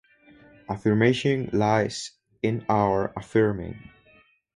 Affirmation lies in our affirming.